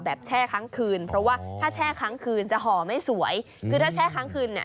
แช่ครั้งคืนเพราะว่าถ้าแช่ครั้งคืนจะห่อไม่สวยคือถ้าแช่ครั้งคืนเนี่ย